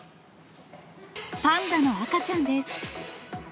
パンダの赤ちゃんです。